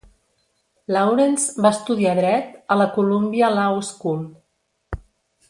Lawrence va estudiar Dret a la Columbia Law School.